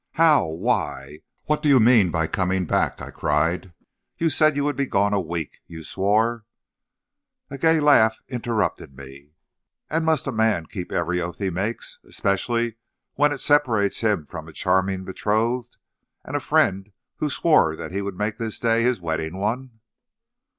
"'How? Why? What do you mean by coming back?' I cried. 'You said you would be gone a week. You swore ' "A gay laugh interrupted me. "'And must a man keep every oath he makes, especially when it separates him from a charming betrothed, and a friend who swore that he would make this day his wedding one?'